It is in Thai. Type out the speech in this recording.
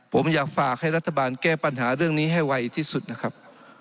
ผมอยากฝากให้รัฐบาลแก้ปัญหาเรื่องนี้ให้ไวที่สุดนะครับ